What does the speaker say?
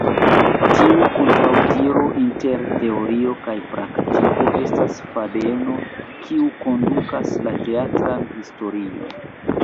Tiu kontraŭdiro inter teorio kaj praktiko estas la fadeno kiu kondukas la teatran historion.